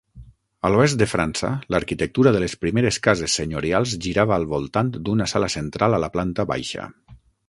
A l'oest de França, l'arquitectura de les primeres cases senyorials girava al voltant d'una sala central a la planta baixa.